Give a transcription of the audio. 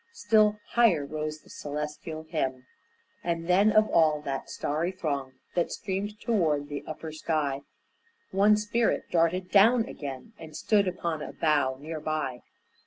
Still higher rose the celestial hymn. And then of all that starry throng That streamed toward the upper sky, One spirit darted down again, And stood upon a bough near by.